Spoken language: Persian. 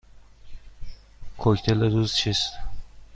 کوکتل روز چیست؟